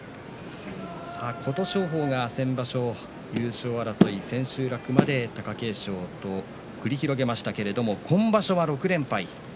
琴勝峰が先場所優勝を争い千秋楽まで貴景勝と繰り広げましたけれど今場所は６連敗。